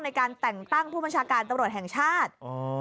ในการแต่งตั้งผู้บัญชาการตำรวจแห่งชาติ